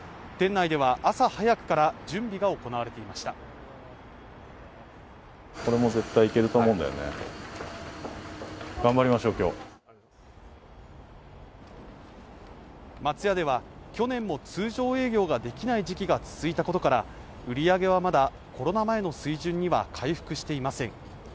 店内では朝早くから準備が行われていました松屋では去年も通常営業ができない時期が続いたことから売り上げはまだコロナ前の水準には回復していません